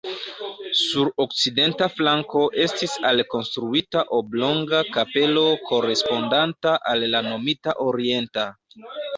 Sur okcidenta flanko estis alkonstruita oblonga kapelo korespondanta al la nomita orienta.